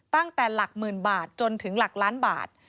ตั้งแต่หลักหมื่นบาทจนถึงหลักล้านบาท